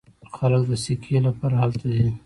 خلک د سکي لپاره هلته ځي.